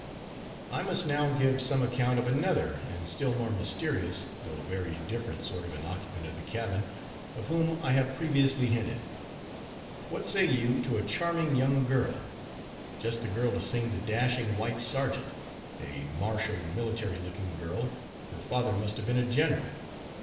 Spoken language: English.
I must now give some account of another and still more mysterious, though very different, sort of an occupant of the cabin, of whom I have previously hinted. What say you to a charming young girl?—just the girl to sing the Dashing White Sergeant; a martial, military looking girl; her father must have been a general.